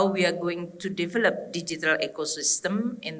bagaimana kita akan mengembangkan ekosistem digital